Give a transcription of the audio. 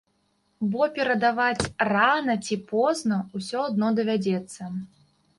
Бо перадаваць рана ці позна ўсё адно давядзецца.